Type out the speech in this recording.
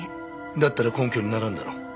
だったら根拠にならんだろう。